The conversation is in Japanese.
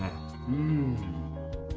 うん。